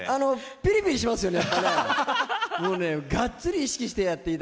ピリピリしますよね。